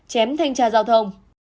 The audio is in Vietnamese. chém thanh tra giao thông